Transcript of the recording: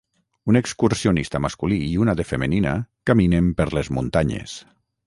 Un excursionista masculí i una de femenina caminen per les muntanyes.